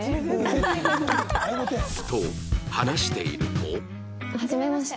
と話しているとはじめまして。